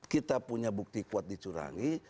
kita punya bukti kuat dicurangi